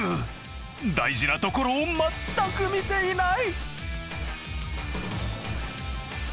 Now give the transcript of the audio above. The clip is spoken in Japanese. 大事なところを全く見ていない！